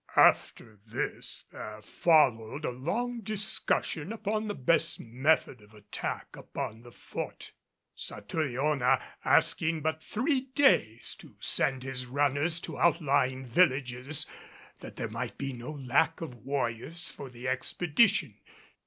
After this there followed a long discussion upon the best method of attack upon the Fort, Satouriona asking but three days to send his runners to outlying villages that there might be no lack of warriors for the expedition.